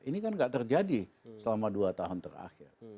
ini kan tidak terjadi selama dua tahun terakhir